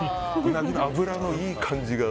脂のいい感じが。